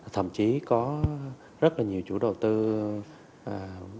thậm chí có rất là nhiều chủ đầu tư bắt bớt